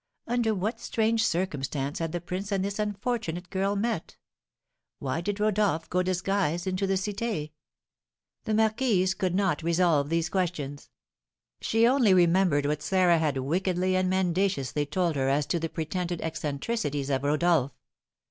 Under what strange circumstance had the prince and this unfortunate girl met? Why did Rodolph go disguised into the Cité?" The marquise could not resolve these questions. She only remembered what Sarah had wickedly and mendaciously told her as to the pretended eccentricities of Rodolph.